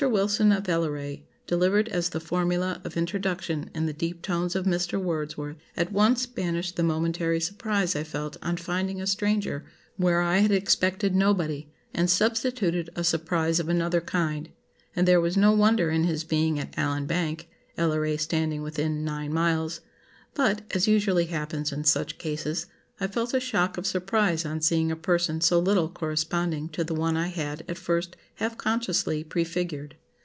Wilson of Elleray' delivered as the formula of introduction, in the deep tones of Mr. Wordsworth at once banished the momentary surprise I felt on finding a stranger where I had expected nobody, and substituted a surprise of another kind; and there was no wonder in his being at Allan Bank, Elleray standing within nine miles; but (as usually happens in such cases) I felt a shock of surprise on seeing a person so little corresponding to the one I had at first half consciously prefigured.